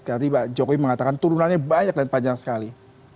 tadi pak jokowi mengatakan turunannya banyak dan panjang sekali